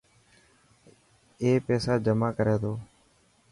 اي پيسا جمع ڪري تو.